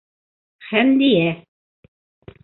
Хәмдиә: